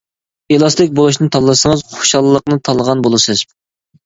ئېلاستىك بولۇشنى تاللىسىڭىز، خۇشاللىقنى تاللىغان بولىسىز.